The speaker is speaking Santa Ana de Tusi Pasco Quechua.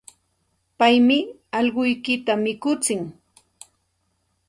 Paymi allquykita mikutsin.